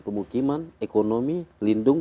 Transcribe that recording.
pemukiman ekonomi lindung